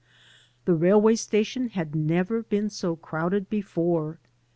The railway station had never been so crowded before.